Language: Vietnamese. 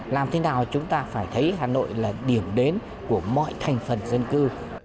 làm thế nào chúng ta phải thấy hà nội là điểm đến của mọi thành phần dân cư